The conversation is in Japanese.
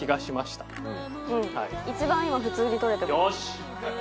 よし！